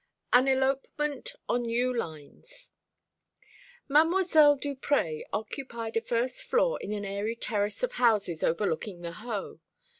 AN ELOPEMENT ON NEW LINES. Mdlle. Duprez occupied a first floor in an airy terrace of houses overlooking the Hoe.